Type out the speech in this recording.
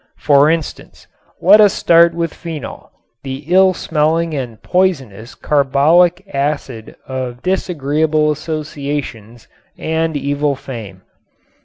For instance, let us start with phenol, the ill smelling and poisonous carbolic acid of disagreeable associations and evil fame.